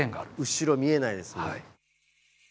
後ろ見えないですもん。